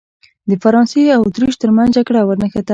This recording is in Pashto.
د فرانسې او اتریش ترمنځ جګړه ونښته.